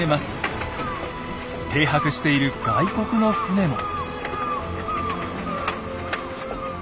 停泊している外国の船も。